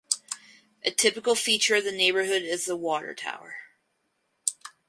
A typical feature of the neighbourhood is the water tower.